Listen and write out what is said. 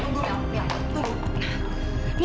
mil tunggu mil